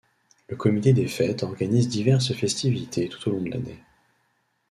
Le comité des fêtes organise diverses festivités tout au long de l'année.